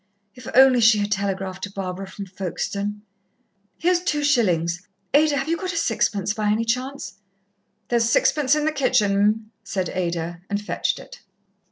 If only she had telegraphed to Barbara from Folkestone! "Here's two shillings. Ada, have you got a sixpence, by any chance?" "There's sixpence in the kitchen, 'm," said Ada, and fetched it.